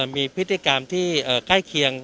มีพฤติกรรมที่ใกล้เคียง